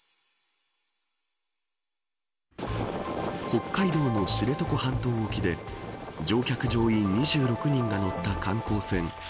北海道の知床半島沖で乗客、乗員２６人が乗った観光船